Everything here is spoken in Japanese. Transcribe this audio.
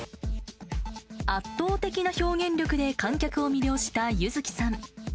圧倒的な表現力で観客を魅了した柚希さん。